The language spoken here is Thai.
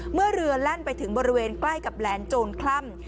เมื่อเรือแล่นไปถึงบริเวณใกล้กับแหลนโจรคล่ำ